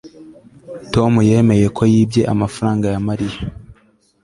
tom yemeye ko yibye amafaranga ya mariya